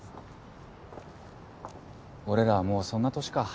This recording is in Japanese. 俺らもうそんな年か。